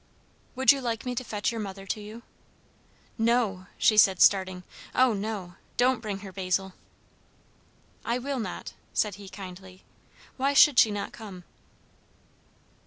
"Would you like me to fetch your mother to you?" "No," she said, starting. "O no! Don't bring her, Basil." "I will not," said he kindly. "Why should she not come?"